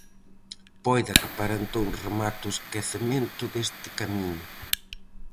Poida que para entón remate o esquecemento deste camiño.